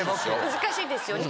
難しいですよね。